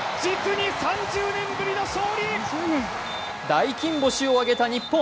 大金星をあげた日本。